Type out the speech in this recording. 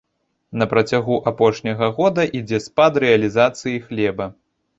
На працягу апошняга года ідзе спад рэалізацыі хлеба.